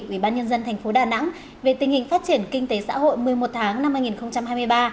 ubnd tp đà nẵng về tình hình phát triển kinh tế xã hội một mươi một tháng năm hai nghìn hai mươi ba